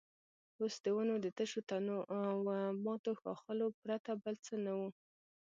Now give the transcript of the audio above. اوس د ونو د تشو تنو او ماتو ښاخلو پرته بل څه نه وو.